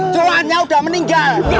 jeluhannya udah meninggal